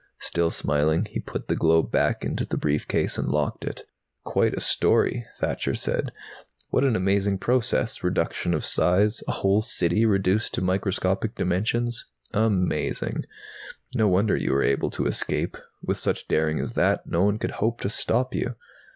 Still smiling, he put the globe back into the briefcase and locked it. "Quite a story," Thacher said. "What an amazing process, reduction of size A whole City reduced to microscopic dimensions. Amazing. No wonder you were able to escape. With such daring as that, no one could hope to stop you."